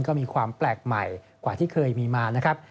ก็มีความแปลกใหม่กว่าที่เคยมีมานะครับ